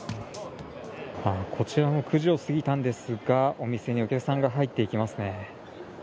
あっ、こちら９時を過ぎたんですが、お店にお客さんが入っていきます